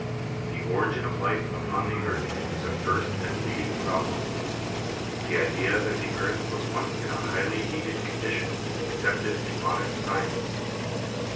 The origin of life upon the earth is a first and leading problem. The idea that the earth was once in a highly heated condition is accepted in modern science.